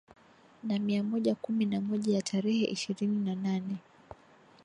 na mia moja kumi na moja ya tarehe ishirini na nane